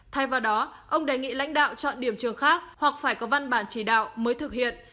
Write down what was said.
thay vào đó ông đề nghị lãnh đạo chọn điểm trường khác hoặc phải có văn bản chỉ đạo mới thực hiện